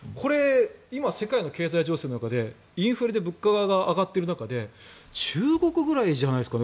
今、世界の経済情勢の中で物価が上がっている中で中国ぐらいじゃないですか？